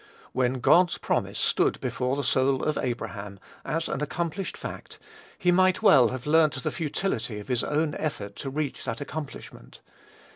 When God's promise stood before the soul of Abraham, as an accomplished fact, he might well have learnt the futility of his own effort to reach that accomplishment.